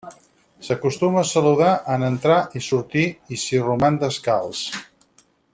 S'acostuma a saludar en entrar i sortir i s'hi roman descalç.